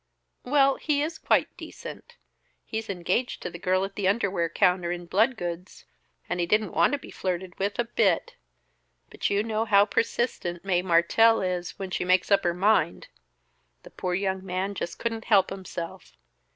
"Well, he is quite decent. He's engaged to the girl at the underwear counter in Bloodgood's, and he didn't want to be flirted with a bit. But you know how persistent Mae Mertelle is, when she makes up her mind. The poor young man just couldn't help himself.